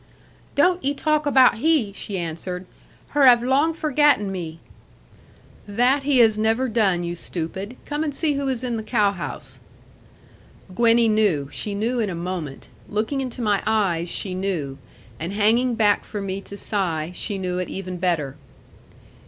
'Don't 'ee talk about He,' she answered; 'Her have long forgatten me.' 'That He has never done, you stupid. Come, and see who is in the cowhouse.' Gwenny knew; she knew in a moment. Looking into my eyes, she knew; and hanging back from me to sigh, she knew it even better.